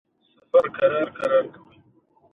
تر اوسه داسې هیڅ ارقام نشته دی چې هغه دې دغه جنجال حل کړي